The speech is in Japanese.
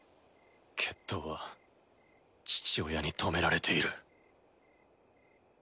決闘は父親に止められている。